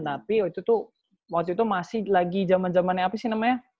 tapi waktu itu masih lagi jaman jaman apa sih namanya